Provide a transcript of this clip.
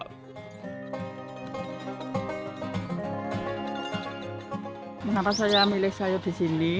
kenapa saya milih sayur di sini